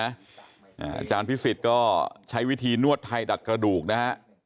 อาจารย์พิสิทธิ์ก็ใช้วิธีนวดไทยดัดกระดูกนะฮะ